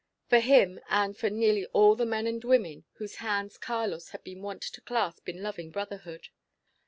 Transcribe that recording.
For him, and for nearly all the men and women whose hands Carlos had been wont to clasp in loving brotherhood.